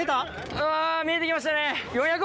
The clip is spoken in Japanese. あ見えて来ましたね。